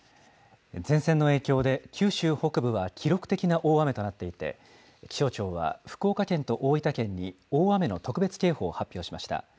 前線の影響で九州北部は記録的な大雨となっていて、気象庁は福岡県と大分県に大雨の特別警報を発表しました。